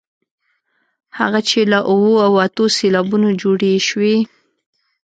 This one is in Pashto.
هغه چې له اوو او اتو سېلابونو جوړې شوې.